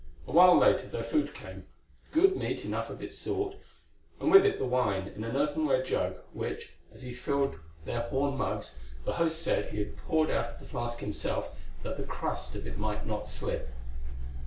A while later their food came—good meat enough of its sort—and with it the wine in an earthenware jug, which, as he filled their horn mugs, the host said he had poured out of the flask himself that the crust of it might not slip.